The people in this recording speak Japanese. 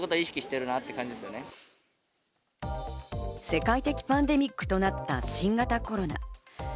世界的パンデミックとなった新型コロナ。